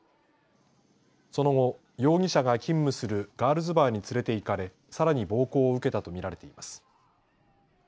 その後、容疑者が勤務するガールズバーに連れて行かれさらに暴行を受けたと見られています。